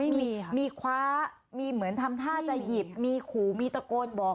มีมีคว้ามีเหมือนทำท่าจะหยิบมีขู่มีตะโกนบอก